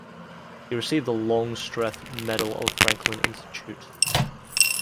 He received the Longstreth Medal of Franklin Institute.